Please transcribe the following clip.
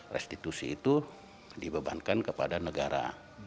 restitusi itu dibebankan kepada negara